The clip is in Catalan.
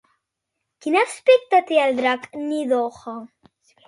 Quin aspecte té el drac Nidhogg?